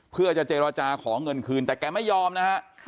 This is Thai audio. เพื่อจะเจรจาขอเงินคืนแต่แกไม่ยอมนะฮะ